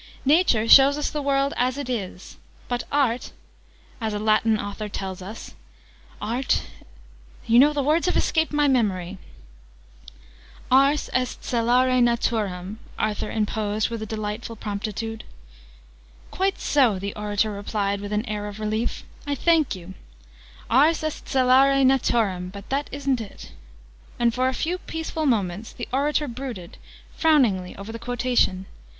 Nature shows us the world as it is. But Art as a Latin author tells us Art, you know the words have escaped my memory " "Ars est celare Naturam," Arthur interposed with a delightful promptitude. "Quite so!" the orator replied with an air of relief. "I thank you! Ars est celare Naturam but that isn't it." And, for a few peaceful moments, the orator brooded, frowningly, over the quotation.